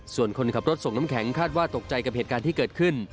ส่วนคนขับรถส่งน้ำแข็งคาดว่าตกใจกับเหตุการณ์ที่เกิดขึ้น